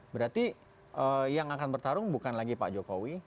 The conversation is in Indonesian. berarti yang akan bertarung bukan lagi pak jokowi